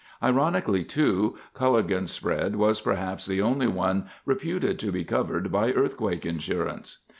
Ironically, too, Culligan's spread was perhaps the only one reputed to be covered by earthquake insurance.